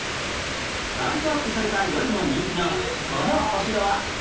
ライトアップされた夜も人気のこのお城は？